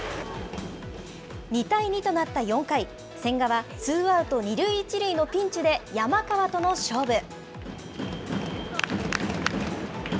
２対２となった４回、千賀はツーアウト２塁１塁のピンチで山川との勝負。